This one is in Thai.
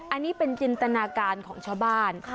อันนี้เป็นจินตนาการของชาวบ้าน